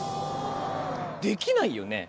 できないよね。